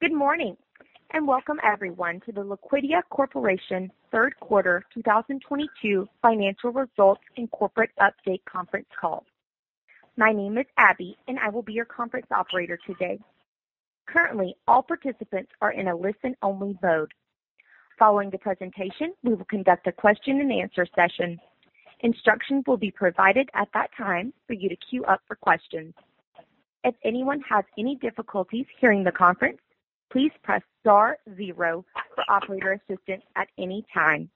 Good morning, and welcome everyone to the Liquidia Corporation third quarter 2022 financial results and corporate update conference call. My name is Abby, and I will be your conference operator today. Currently, all participants are in a listen-only mode. Following the presentation, we will conduct a question and answer session. Instructions will be provided at that time for you to queue up for questions. If anyone has any difficulties hearing the conference, please press star zero for operator assistance at any time.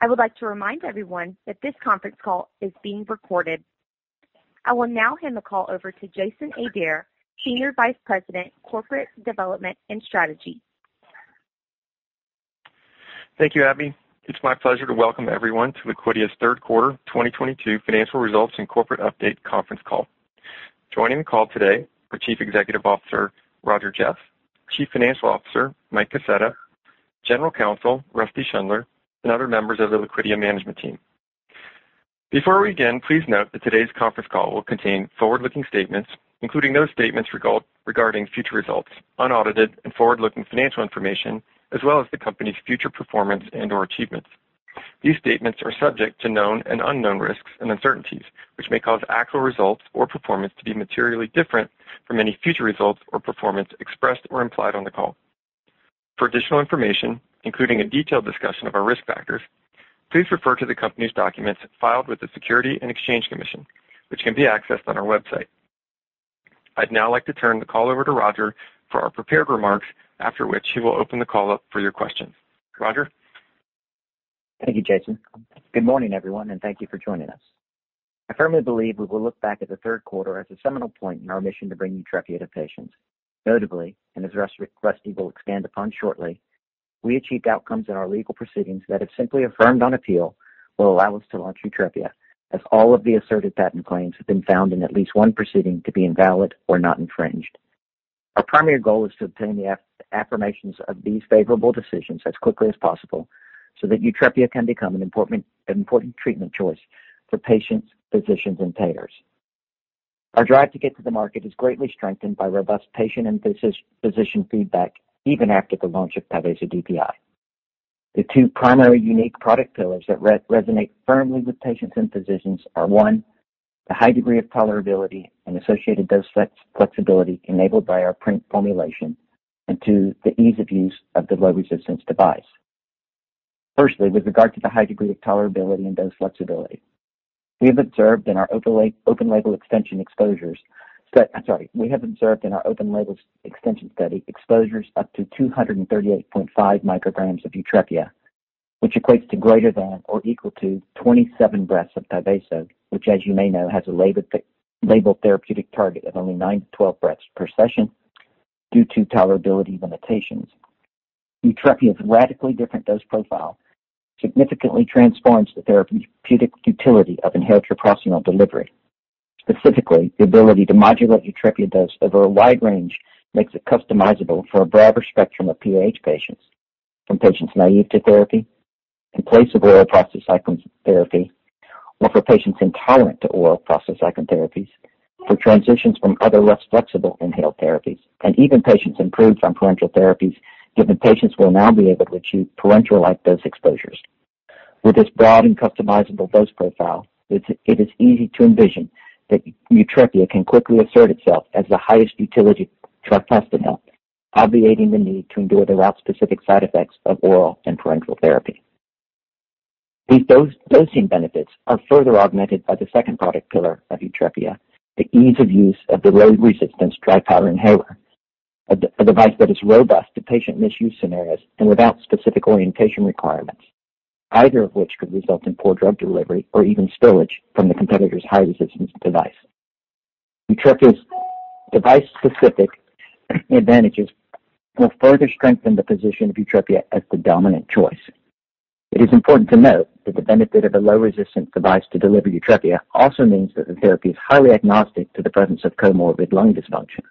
I would like to remind everyone that this conference call is being recorded. I will now hand the call over to Jason Adair, Senior Vice President, Corporate Development and Strategy. Thank you, Abby. It's my pleasure to welcome everyone to Liquidia's third quarter 2022 financial results and corporate update conference call. Joining the call today are Chief Executive Officer Roger Jeffs, Chief Financial Officer Michael Kaseta, General Counsel Rusty Schundler, and other members of the Liquidia management team. Before we begin, please note that today's conference call will contain forward-looking statements, including those statements regarding future results, unaudited and forward-looking financial information, as well as the company's future performance and/or achievements. These statements are subject to known and unknown risks and uncertainties, which may cause actual results or performance to be materially different from any future results or performance expressed or implied on the call. For additional information, including a detailed discussion of our risk factors, please refer to the company's documents filed with the Securities and Exchange Commission, which can be accessed on our website. I'd now like to turn the call over to Roger for our prepared remarks, after which he will open the call up for your questions. Roger? Thank you, Jason. Good morning, everyone, and thank you for joining us. I firmly believe we will look back at the third quarter as a seminal point in our mission to bring YUTREPIA to patients. Notably, as Rusty will expand upon shortly, we achieved outcomes in our legal proceedings that, if simply affirmed on appeal, will allow us to launch YUTREPIA, as all of the asserted patent claims have been found in at least one proceeding to be invalid or not infringed. Our primary goal is to obtain the affirmations of these favorable decisions as quickly as possible so that YUTREPIA can become an important treatment choice for patients, physicians, and payers. Our drive to get to the market is greatly strengthened by robust patient and physician feedback, even after the launch of Tyvaso DPI. The two primary unique product pillars that resonate firmly with patients and physicians are, one, the high degree of tolerability and associated dose flexibility enabled by our print formulation, and two, the ease of use of the low resistance device. Firstly, with regard to the high degree of tolerability and dose flexibility. We have observed in our open-label extension study exposures up to 238.5 micrograms of YUTREPIA, which equates to greater than or equal to 27 breaths of Tyvaso, which, as you may know, has a labeled therapeutic target of only 9 to 12 breaths per session due to tolerability limitations. YUTREPIA's radically different dose profile significantly transforms the therapeutic utility of inhaled treprostinil delivery. Specifically, the ability to modulate YUTREPIA dose over a wide range makes it customizable for a broader spectrum of PAH patients from patients naive to therapy, in place of oral prostacyclin therapy, or for patients intolerant to oral prostacyclin therapies, for transitions from other less flexible inhaled therapies, and even patients improved on parenteral therapies, given patients will now be able to achieve parenteral-like dose exposures. With this broad and customizable dose profile, it is easy to envision that YUTREPIA can quickly assert itself as the highest utility treprostinil, obviating the need to endure the route-specific side effects of oral and parenteral therapy. These dosing benefits are further augmented by the second product pillar of YUTREPIA, the ease of use of the low resistance Dry Powder Inhaler, a device that is robust to patient misuse scenarios and without specific orientation requirements, either of which could result in poor drug delivery or even spillage from the competitor's high resistance device. YUTREPIA's device-specific advantages will further strengthen the position of YUTREPIA as the dominant choice. It is important to note that the benefit of a low resistance device to deliver YUTREPIA also means that the therapy is highly agnostic to the presence of comorbid lung dysfunction.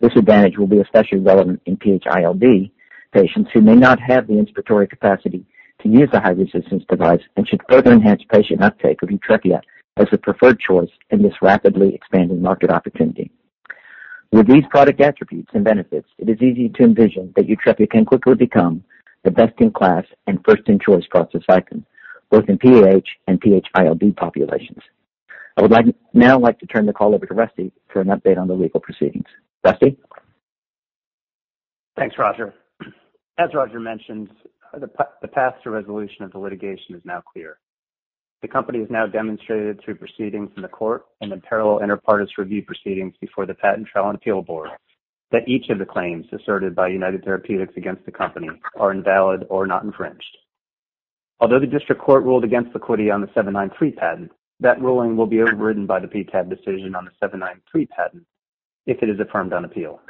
This advantage will be especially relevant in PH-ILD patients who may not have the inspiratory capacity to use a high resistance device and should further enhance patient uptake of YUTREPIA as a preferred choice in this rapidly expanding market opportunity. With these product attributes and benefits, it is easy to envision that YUTREPIA can quickly become the best in class and first in choice prostacyclin, both in PAH and PH-ILD populations. I would now like to turn the call over to Rusty for an update on the legal proceedings. Rusty? Thanks, Roger. As Roger mentioned, the path to resolution of the litigation is now clear. The company has now demonstrated through proceedings in the court and in parallel inter partes review proceedings before the Patent Trial and Appeal Board that each of the claims asserted by United Therapeutics against the company are invalid or not infringed. Although the district court ruled against Liquidia on the '793 patent, that ruling will be overridden by the PTAB decision on the '793 patent if it is affirmed on appeal.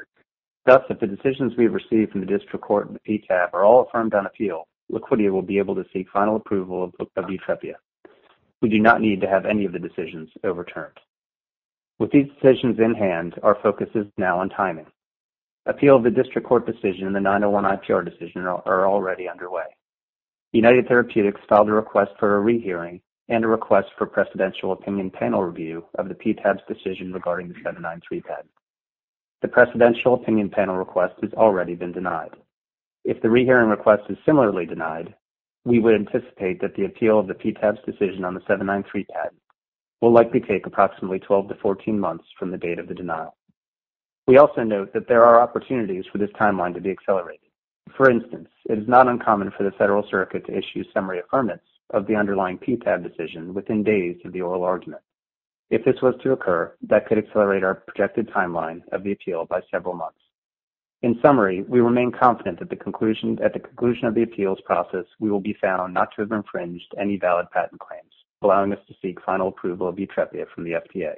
If the decisions we have received from the district court and the PTAB are all affirmed on appeal, Liquidia will be able to seek final approval of YUTREPIA. We do not need to have any of the decisions overturned. With these decisions in hand, our focus is now on timing. Appeal of the district court decision and the '901 IPR decision are already underway. United Therapeutics filed a request for a rehearing and a request for Precedential Opinion Panel review of the PTAB's decision regarding the '793 patent. The Precedential Opinion Panel request has already been denied. If the rehearing request is similarly denied, we would anticipate that the appeal of the PTAB's decision on the '793 patent will likely take approximately 12 to 14 months from the date of the denial. We also note that there are opportunities for this timeline to be accelerated. For instance, it is not uncommon for the Federal Circuit to issue summary affirmance of the underlying PTAB decision within days of the oral argument. If this was to occur, that could accelerate our projected timeline of the appeal by several months. In summary, we remain confident that at the conclusion of the appeals process, we will be found not to have infringed any valid patent claims, allowing us to seek final approval of YUTREPIA from the FDA.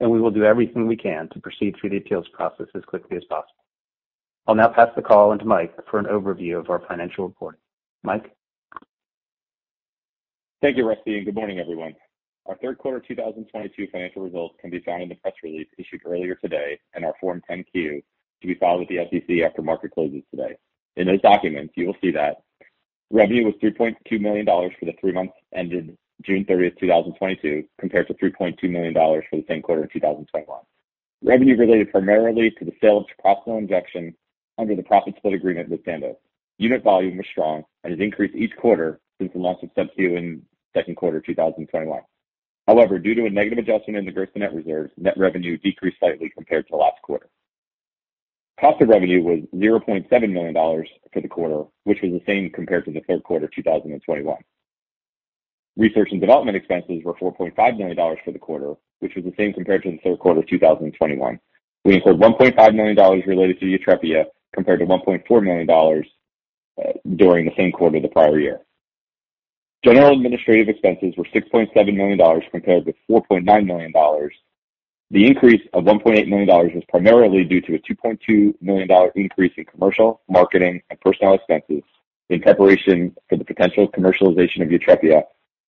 We will do everything we can to proceed through the appeals process as quickly as possible. I'll now pass the call on to Mike for an overview of our financial report. Mike? Thank you, Rusty, and good morning, everyone. Our third quarter 2022 financial results can be found in the press release issued earlier today and our Form 10-Q to be filed with the SEC after market closes today. In those documents, you will see that revenue was $3.2 million for the three months ended June 30th, 2022, compared to $3.2 million for the same quarter in 2021. Revenue related primarily to the sale of treprostinil injection under the profit split agreement with Sandoz. Unit volume was strong and has increased each quarter since the launch of Sub-Q in the second quarter of 2021. However, due to a negative adjustment in the gross-to-net reserve, net revenue decreased slightly compared to last quarter. Cost of revenue was $0.7 million for the quarter, which was the same compared to the third quarter 2021. Research and development expenses were $4.5 million for the quarter, which was the same compared to the third quarter 2021. We incurred $1.5 million related to YUTREPIA, compared to $1.4 million during the same quarter the prior year. General administrative expenses were $6.7 million compared with $4.9 million. The increase of $1.8 million was primarily due to a $2.2 million increase in commercial, marketing, and personnel expenses in preparation for the potential commercialization of YUTREPIA,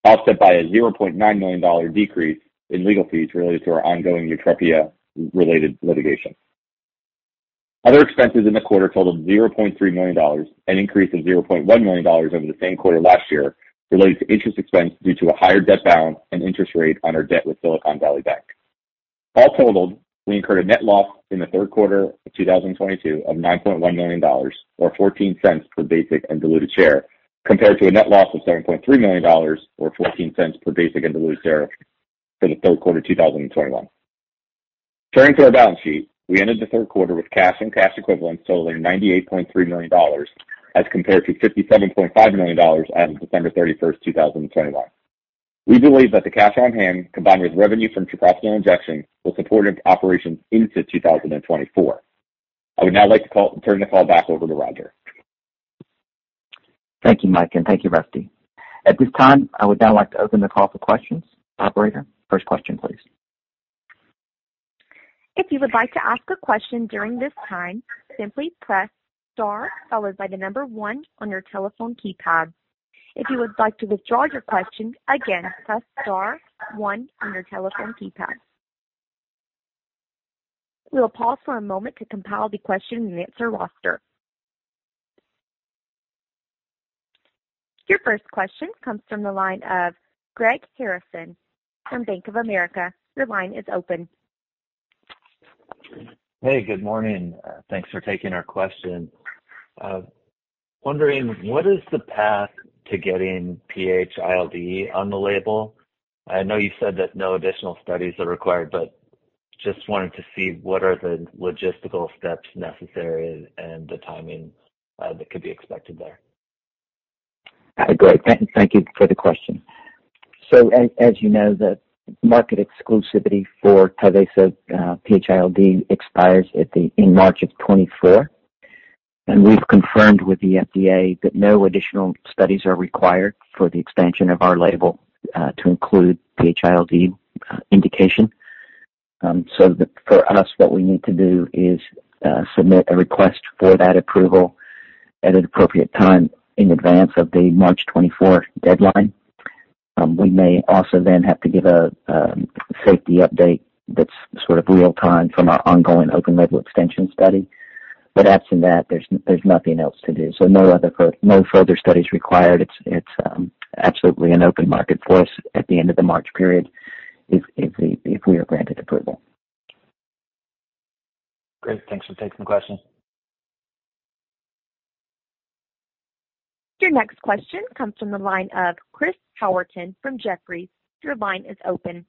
offset by a $0.9 million decrease in legal fees related to our ongoing YUTREPIA related litigation. Other expenses in the quarter totaled $0.3 million, an increase of $0.1 million over the same quarter last year, related to interest expense due to a higher debt balance and interest rate on our debt with Silicon Valley Bank. All totaled, we incurred a net loss in the third quarter of 2022 of $9.1 million or $0.14 per basic and diluted share, compared to a net loss of $7.3 million or $0.14 per basic and diluted share for the third quarter 2021. Turning to our balance sheet, we ended the third quarter with cash and cash equivalents totaling $98.3 million as compared to $57.5 million as of December 31st, 2021. We believe that the cash on hand, combined with revenue from treprostinil injection, will support operations into 2024. I would now like to turn the call back over to Roger. Thank you, Mike, and thank you, Rusty. At this time, I would now like to open the call for questions. Operator, first question please. If you would like to ask a question during this time, simply press star followed by the number one on your telephone keypad. If you would like to withdraw your question, again, press star one on your telephone keypad. We will pause for a moment to compile the question-and-answer roster. Your first question comes from the line of Greg Harrison from Bank of America. Your line is open. Hey, good morning. Thanks for taking our question. Wondering, what is the path to getting PH-ILD on the label? I know you said that no additional studies are required, but just wanted to see what are the logistical steps necessary and the timing that could be expected there. Hi, Greg. Thank you for the question. As you know, the market exclusivity for Tyvaso PH-ILD expires in March of 2024. We've confirmed with the FDA that no additional studies are required for the expansion of our label to include PH-ILD indication. For us, what we need to do is submit a request for that approval at an appropriate time in advance of the March 2024 deadline. We may also then have to give a safety update that's sort of real time from our ongoing open label extension study. Absent that, there's nothing else to do. No further studies required. It's absolutely an open market for us at the end of the March period if we are granted approval. Great. Thanks for taking the question. Your next question comes from the line of Chris Howerton from Jefferies. Your line is open.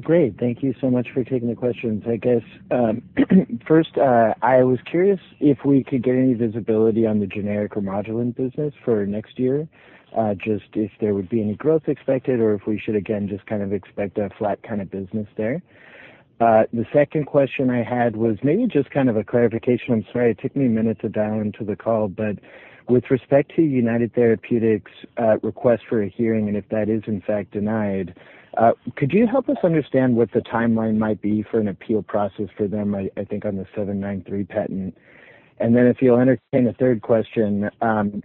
Great. Thank you so much for taking the questions. I guess, first, I was curious if we could get any visibility on the generic Remodulin business for next year, just if there would be any growth expected or if we should, again, just expect a flat business there. The second question I had was maybe just a clarification. I'm sorry it took me a minute to dial into the call, but with respect to United Therapeutics' request for a hearing, and if that is in fact denied, could you help us understand what the timeline might be for an appeal process for them, I think on the '793 patent? If you'll entertain a third question,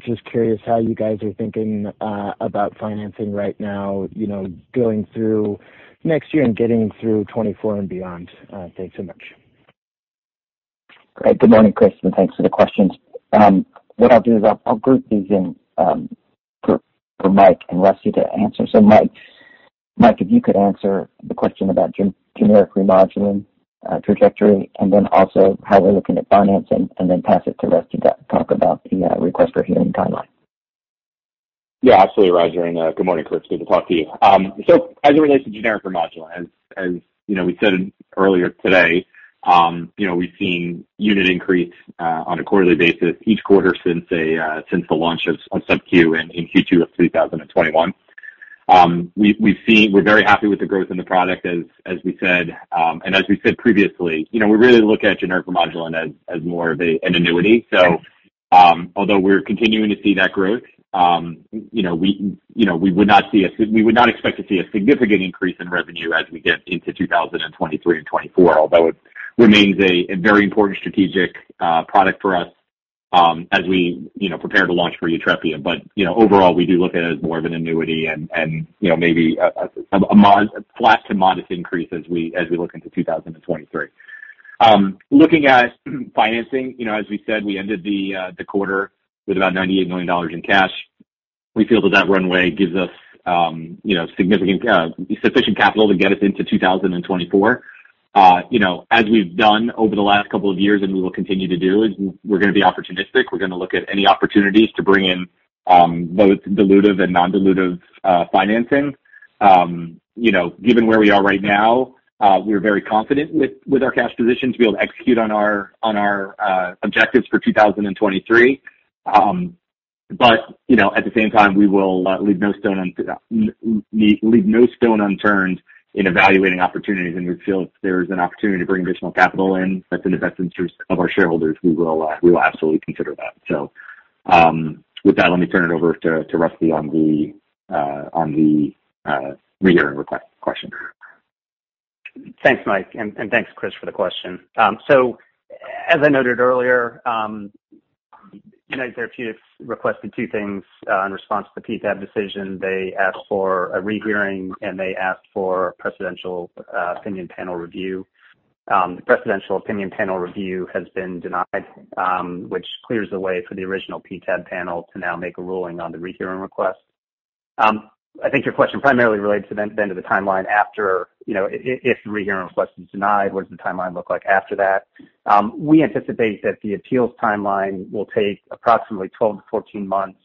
just curious how you guys are thinking about financing right now, going through next year and getting through 2024 and beyond. Thanks so much. Great. Good morning, Chris, and thanks for the questions. What I'll do is I'll group these in for Mike and Rusty to answer. Mike, if you could answer the question about generic Remodulin trajectory, and then also how we're looking at financing, and then pass it to Rusty to talk about the request for hearing timeline. Yeah, absolutely, Roger, and good morning, Chris. Good to talk to you. As it relates to generic Remodulin, as we said earlier today, we've seen unit increase on a quarterly basis each quarter since the launch of Sub-Q in Q2 of 2021. We're very happy with the growth in the product as we said. As we said previously, we really look at generic Remodulin as more of an annuity. Although we're continuing to see that growth, we would not expect to see a significant increase in revenue as we get into 2023 and 2024, although it remains a very important strategic product for us as we prepare to launch for YUTREPIA. Overall, we do look at it as more of an annuity and maybe a flat to modest increase as we look into 2023. Looking at financing, as we said, we ended the quarter with about $98 million in cash. We feel that that runway gives us sufficient capital to get us into 2024. As we've done over the last couple of years, and we will continue to do, we're going to be opportunistic. We're going to look at any opportunities to bring in both dilutive and non-dilutive financing. Given where we are right now, we're very confident with our cash position to be able to execute on our objectives for 2023. At the same time, we will leave no stone unturned in evaluating opportunities. We feel if there's an opportunity to bring additional capital in that's in the best interest of our shareholders, we will absolutely consider that. With that, let me turn it over to Rusty on the rehearing request question. Thanks, Mike, and thanks, Chris, for the question. As I noted earlier, United Therapeutics requested two things in response to the PTAB decision. They asked for a rehearing, and they asked for a Precedential Opinion Panel review. The Precedential Opinion Panel review has been denied, which clears the way for the original PTAB panel to now make a ruling on the rehearing request. I think your question primarily relates then to the timeline after. If the rehearing request is denied, what does the timeline look like after that? We anticipate that the appeals timeline will take approximately 12 to 14 months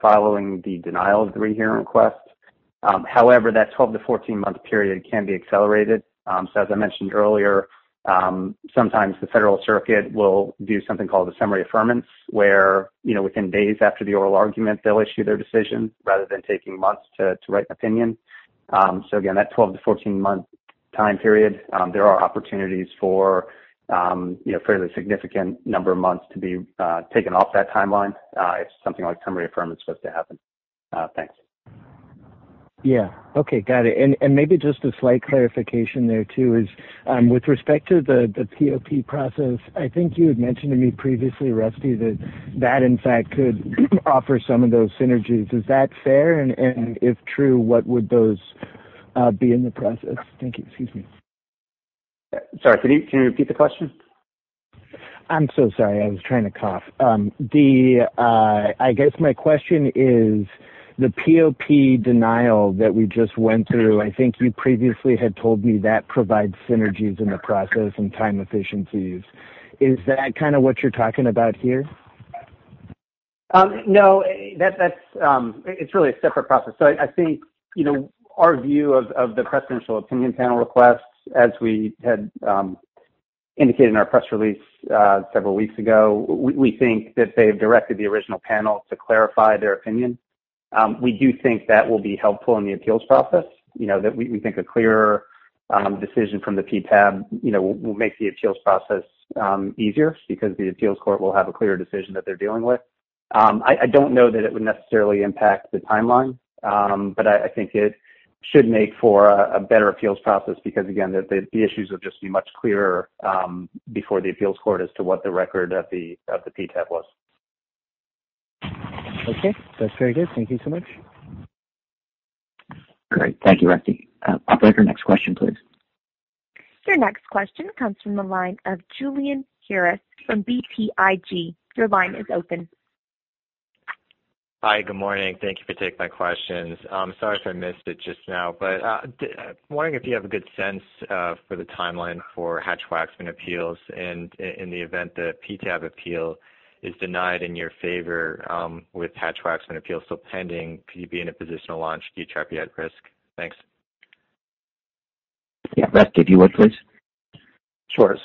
following the denial of the rehearing request. However, that 12 to 14 month period can be accelerated. As I mentioned earlier, sometimes the Federal Circuit will do something called a summary affirmance, where within days after the oral argument, they'll issue their decision rather than taking months to write an opinion. Again, that 12 to 14 month time period, there are opportunities for a fairly significant number of months to be taken off that timeline if something like summary affirmance was to happen. Thanks. Okay, got it. Maybe just a slight clarification there too is, with respect to the POP process, I think you had mentioned to me previously, Rusty, that in fact could offer some of those synergies. Is that fair? If true, what would those be in the process? Thank you. Excuse me. Sorry, can you repeat the question? I'm so sorry. I was trying to cough. I guess my question is the POP denial that we just went through, I think you previously had told me that provides synergies in the process and time efficiencies. Is that kind of what you're talking about here? No, it's really a separate process. I think our view of the Precedential Opinion Panel request, as we had indicated in our press release several weeks ago, we think that they've directed the original panel to clarify their opinion. We do think that will be helpful in the appeals process. We think a clearer decision from the PTAB will make the appeals process easier because the appeals court will have a clear decision that they're dealing with. I don't know that it would necessarily impact the timeline. I think it should make for a better appeals process because, again, the issues will just be much clearer before the appeals court as to what the record of the PTAB was. Okay. That's very good. Thank you so much. Great. Thank you, Rusty. Operator, next question please. Your next question comes from the line of Julian Harrison from BTIG. Your line is open. Hi. Good morning. Thank you for taking my questions. Sorry if I missed it just now, wondering if you have a good sense for the timeline for Hatch-Waxman appeals, in the event the PTAB appeal is denied in your favor with Hatch-Waxman appeal still pending, could you be in a position to launch YUTREPIA at risk? Thanks. Yeah. Rusty, do you want this? Sure.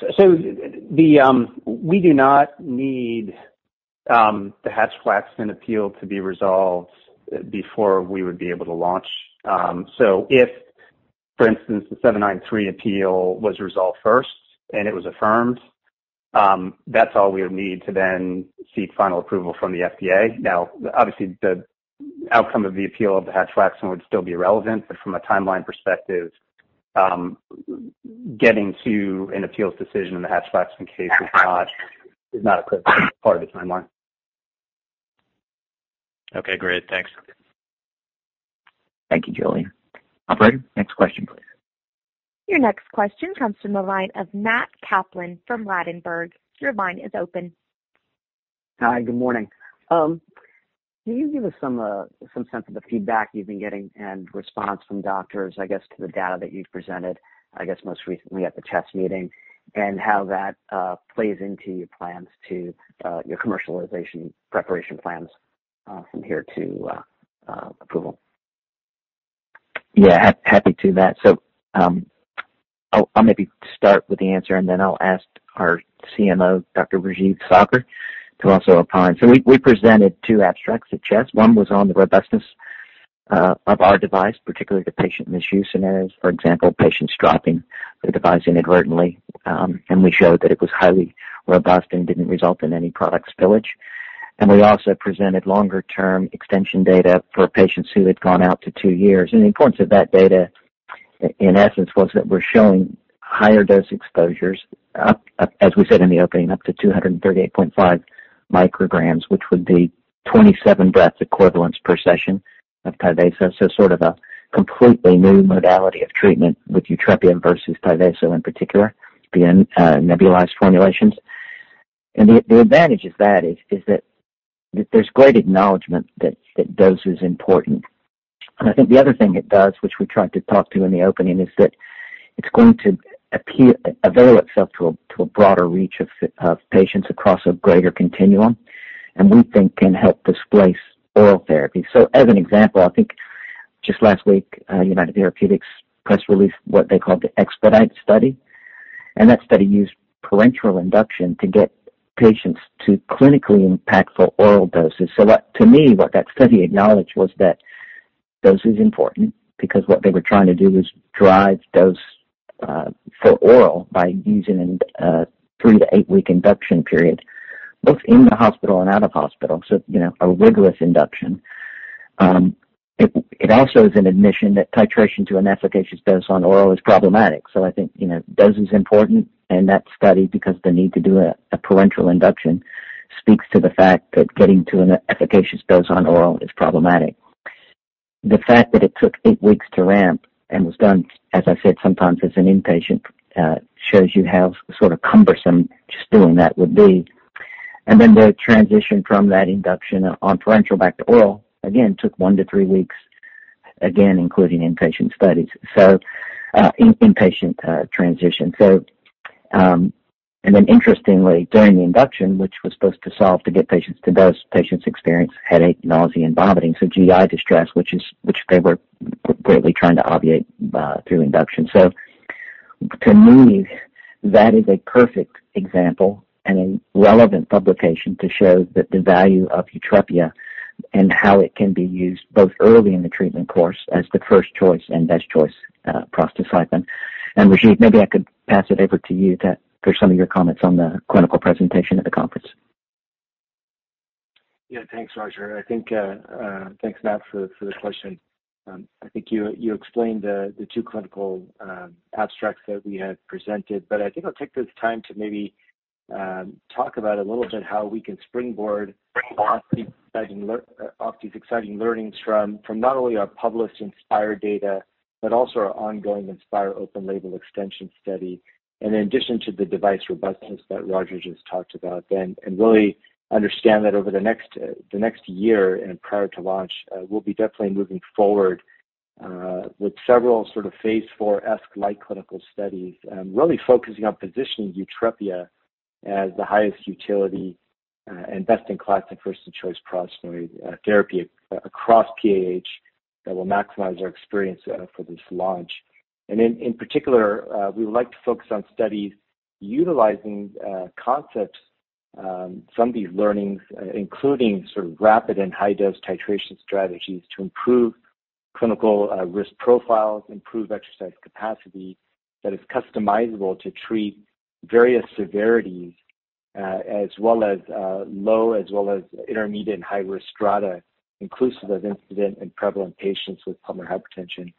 We do not need the Hatch-Waxman appeal to be resolved before we would be able to launch. If, for instance, the '793 appeal was resolved first and it was affirmed, that's all we would need to then seek final approval from the FDA. Now, obviously, the outcome of the appeal of the Hatch-Waxman would still be relevant. From a timeline perspective, getting to an appeals decision in the Hatch-Waxman case is not a critical part of the timeline. Okay, great. Thanks. Thank you, Julian. Operator, next question, please. Your next question comes from the line of Matt Kaplan from Ladenburg. Your line is open. Hi. Good morning. Can you give us some sense of the feedback you've been getting and response from doctors, I guess, to the data that you've presented, I guess, most recently at the CHEST meeting, and how that plays into your commercialization preparation plans from here to approval? Yeah. Happy to, Matt. I'll maybe start with the answer, and then I'll ask our CMO, Dr. Rajeev Saggar, to also opine. We presented two abstracts at CHEST. One was on the robustness of our device, particularly to patient misuse scenarios. For example, patients dropping the device inadvertently. We showed that it was highly robust and didn't result in any product spillage. We also presented longer-term extension data for patients who had gone out to 2 years. The importance of that data, in essence, was that we're showing higher dose exposures, as we said in the opening, up to 238.5 micrograms, which would be 27 breaths equivalents per session of Tyvaso. Sort of a completely new modality of treatment with YUTREPIA versus Tyvaso in particular, being nebulized formulations. The advantage of that is that there's great acknowledgment that dose is important. I think the other thing it does, which we tried to talk to in the opening, is that it's going to avail itself to a broader reach of patients across a greater continuum, and we think can help displace oral therapy. As an example, I think just last week, United Therapeutics press release what they called the EXPEDITE study, and that study used parenteral induction to get patients to clinically impactful oral doses. To me, what that study acknowledged was that dose is important because what they were trying to do is drive dose for oral by using a 3 to 8 week induction period, both in the hospital and out of hospital. A rigorous induction. It also is an admission that titration to an efficacious dose on oral is problematic. I think dose is important in that study because the need to do a parenteral induction speaks to the fact that getting to an efficacious dose on oral is problematic. The fact that it took 8 weeks to ramp and was done, as I said, sometimes as an inpatient, shows you how sort of cumbersome just doing that would be. Then the transition from that induction on parenteral back to oral, again, took 1 to 3 weeks, again, including inpatient studies. Inpatient transition. Then interestingly, during the induction, which was supposed to solve to get patients to dose, patients experienced headache, nausea, and vomiting, so GI distress, which they were greatly trying to obviate through induction. To me, that is a perfect example and a relevant publication to show that the value of YUTREPIA and how it can be used both early in the treatment course as the first choice and best choice prostacyclin. Rajeev, maybe I could pass it over to you for some of your comments on the clinical presentation at the conference. Yeah. Thanks, Roger. Thanks, Matt, for the question. I think you explained the two clinical abstracts that we had presented, but I think I'll take this time to maybe talk about a little bit how we can springboard off these exciting learnings from not only our published INSPIRE data, but also our ongoing INSPIRE open label extension study, and in addition to the device robustness that Roger just talked about then. Really understand that over the next year and prior to launch, we'll be definitely moving forward with several sort of phase IV-esque light clinical studies, and really focusing on positioning YUTREPIA as the highest utility and best-in-class and first-choice prostanoid therapy across PAH that will maximize our experience for this launch. In particular, we would like to focus on studies utilizing concepts from these learnings, including sort of rapid and high dose titration strategies to improve clinical risk profiles, improve exercise capacity that is customizable to treat various severities, as well as low, intermediate and high-risk strata inclusive of incident and prevalent patients with pulmonary hypertension.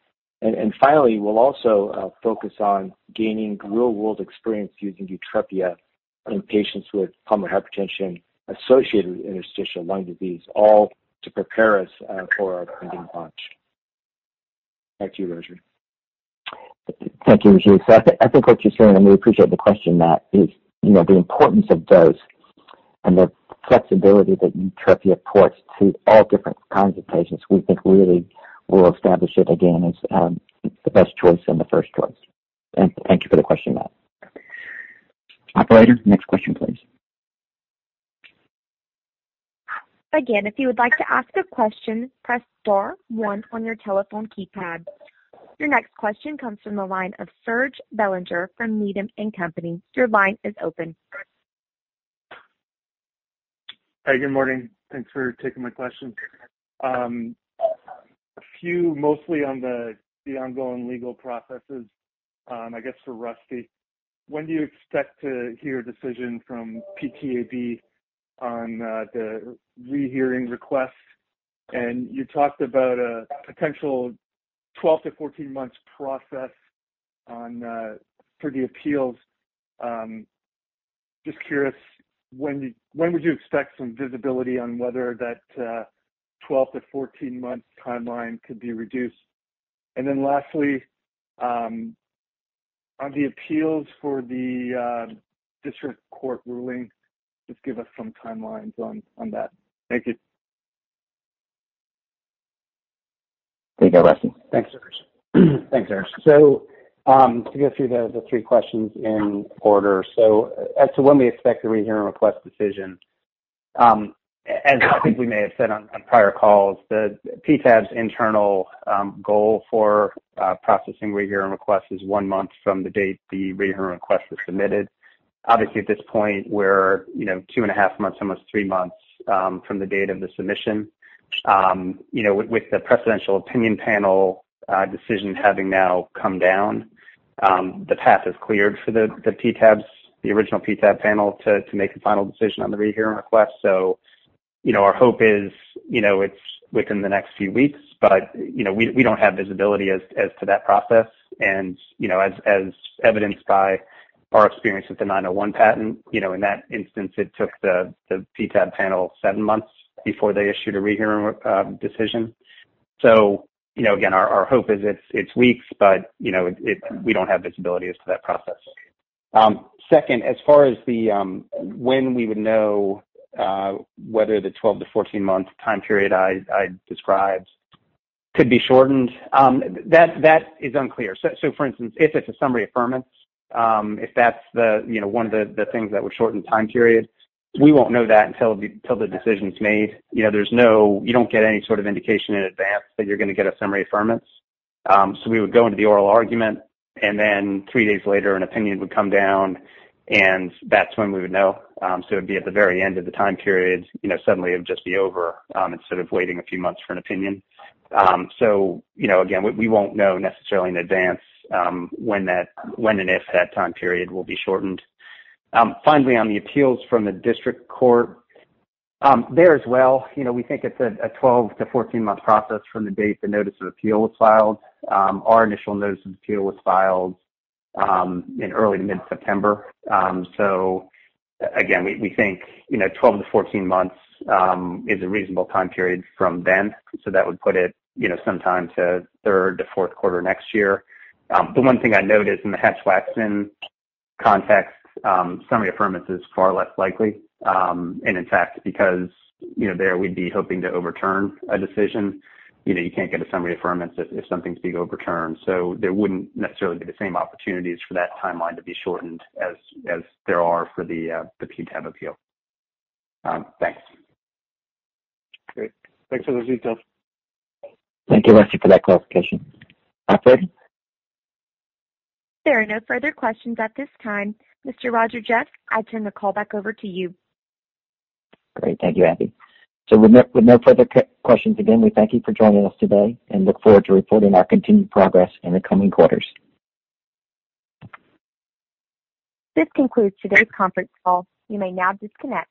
Finally, we'll also focus on gaining real-world experience using YUTREPIA in patients with pulmonary hypertension associated with interstitial lung disease, all to prepare us for our pending launch. Back to you, Roger. Thank you, Rajeev. I think what you're saying, and we appreciate the question, Matt, is the importance of dose and the flexibility that YUTREPIA ports to all different kinds of patients we think really will establish it again as the best choice and the first choice. Thank you for the question, Matt. Operator, next question, please. Again, if you would like to ask a question, press star one on your telephone keypad. Your next question comes from the line of Serge Belanger from Needham & Company. Your line is open. Hi. Good morning. Thanks for taking my question. A few mostly on the ongoing legal processes. I guess for Rusty. When do you expect to hear a decision from PTAB on the rehearing request? You talked about a potential 12 to 14 months process for the appeals. Just curious, when would you expect some visibility on whether that 12 to 14 month timeline could be reduced? Lastly, on the appeals for the district court ruling, just give us some timelines on that. Thank you. Take it, Rusty. Thanks, Serge. To go through the three questions in order. As to when we expect the rehearing request decision, as I think we may have said on prior calls, the PTAB's internal goal for processing rehearing requests is one month from the date the rehearing request was submitted. Obviously, at this point, we're two and a half months, almost three months, from the date of the submission. With the Precedential Opinion Panel decision having now come down, the path is cleared for the original PTAB panel to make a final decision on the rehearing request. Our hope is it's within the next few weeks, but we don't have visibility as to that process. As evidenced by our experience with the '901 patent, in that instance, it took the PTAB panel seven months before they issued a rehearing decision. Again, our hope is it's weeks, but we don't have visibility as to that process. Second, as far as when we would know whether the 12 to 14 month time period I described could be shortened, that is unclear. For instance, if it's a summary affirmance, if that's one of the things that would shorten the time period, we won't know that until the decision's made. You don't get any sort of indication in advance that you're going to get a summary affirmance. We would go into the oral argument, and then three days later, an opinion would come down, and that's when we would know. It'd be at the very end of the time period, suddenly it would just be over, instead of waiting a few months for an opinion. Again, we won't know necessarily in advance when and if that time period will be shortened. Finally, on the appeals from the district court, there as well, we think it's a 12 to 14 month process from the date the notice of appeal was filed. Our initial notice of appeal was filed in early to mid-September. Again, we think 12 to 14 months is a reasonable time period from then. That would put it sometime to third to fourth quarter next year. The one thing I noted in the Hatch-Waxman context, summary affirmance is far less likely. In fact, because there we'd be hoping to overturn a decision, you can't get a summary affirmance if something's being overturned. There wouldn't necessarily be the same opportunities for that timeline to be shortened as there are for the PTAB appeal. Thanks. Great. Thanks for those details. Thank you, Rusty, for that clarification. Operator? There are no further questions at this time. Mr. Roger Jeffs, I turn the call back over to you. Thank you, Abby. With no further questions, again, we thank you for joining us today and look forward to reporting our continued progress in the coming quarters. This concludes today's conference call. You may now disconnect.